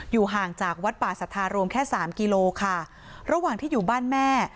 ห่างจากวัดป่าสัทธารวมแค่สามกิโลค่ะระหว่างที่อยู่บ้านแม่